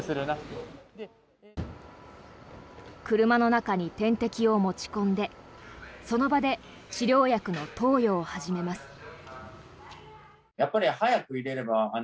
車の中に点滴を持ち込んでその場で治療薬の投与を始めます。